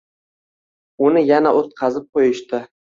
Uni yana o‘tqazib qo‘yishdi.